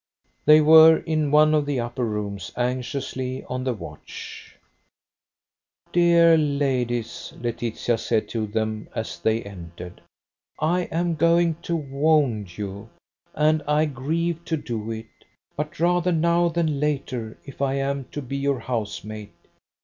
They were in one of the upper rooms anxiously on the watch. "Dear ladies," Laetitia said to them, as they entered. "I am going to wound you, and I grieve to do it: but rather now than later, if I am to be your housemate.